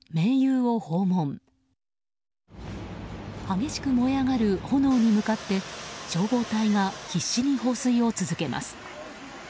激しく燃え上がる炎に向かって消防隊が必死に放水を続けます。